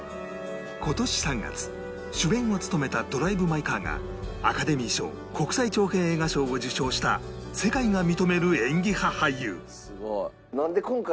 今年３月主演を務めた『ドライブ・マイ・カー』がアカデミー賞国際長編映画賞を受賞した世界が認める演技派俳優